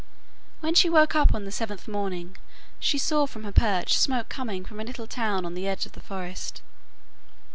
When she woke up on the seventh morning she saw from her perch smoke coming up from a little town on the edge of the forest.